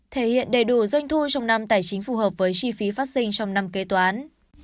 thể hiện đầy đủ doanh thu trong năm tài chính phù hợp với chi phí phát sinh trong năm kế toán